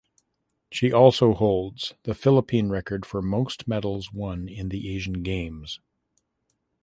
She also holds the Philippine record for most medals won in the Asian Games.